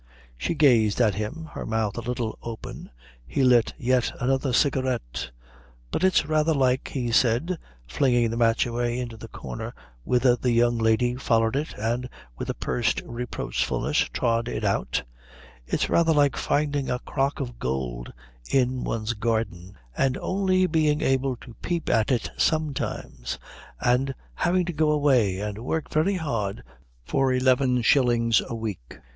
She gazed at him, her mouth a little open. He lit yet another cigarette. "But it's rather like," he said, flinging the match away into a corner whither the young lady followed it and with a pursed reproachfulness trod it out, "it's rather like finding a crock of gold in one's garden and only being able to peep at it sometimes, and having to go away and work very hard for eleven shillings a week."